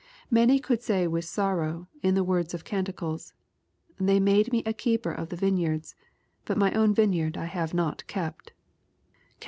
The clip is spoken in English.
Many could say with sorrow, in the words of Canticles, " They made me keeper of the vineyards, but my own vineyard have I not kept," (Cant.